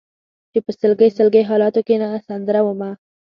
چې په سلګۍ سلګۍ حالاتو کې سندره ومه